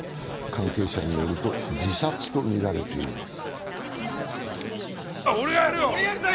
関係者によると、自殺とみられています。